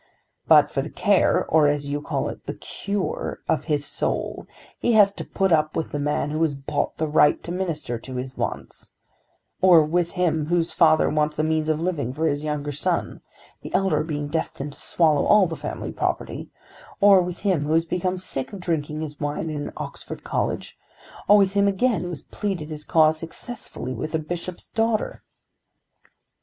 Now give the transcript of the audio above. But for the care, or, as you call it, the cure, of his soul, he has to put up with the man who has bought the right to minister to his wants; or with him whose father wants a means of living for his younger son, the elder being destined to swallow all the family property; or with him who has become sick of drinking his wine in an Oxford college; or with him, again, who has pleaded his cause successfully with a bishop's daughter."